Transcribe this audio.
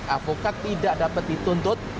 avokat tidak dapat dituntut